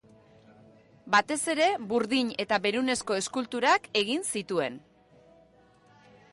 Batez ere, burdin eta berunezko eskulturak egin zituen.